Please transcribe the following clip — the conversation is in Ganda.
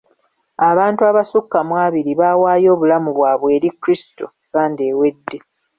Abantu abasukka mu abiri baawaayo obulamu bwabwe eri Kristo Sande ewedde.